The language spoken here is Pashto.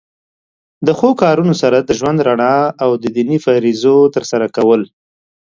د ښو کارونو سره د ژوند رڼا او د دینی فریضو تر سره کول.